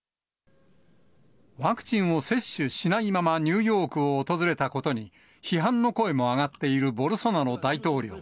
ワクチンを接種しないままニューヨークを訪れたことに、批判の声も上がっているボルソナロ大統領。